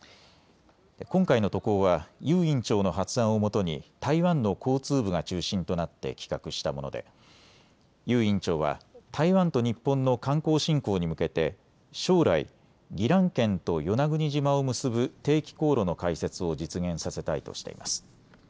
今回の渡航は游院長の発案をもとに台湾の交通部が中心となって企画したもので游院長は台湾と日本の観光振興に向けて将来、宜蘭県と与那国島を結ぶ定期航路の開設を実現させたいとしています。